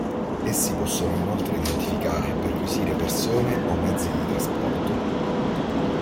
Essi possono inoltre identificare e perquisire persone o mezzi di trasporto.